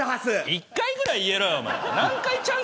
１回ぐらい言えろよ。